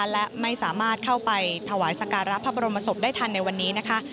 และไม่สามารถเข้าไปถวายสการะพระบรมศพได้ทันในวันนี้นะคะ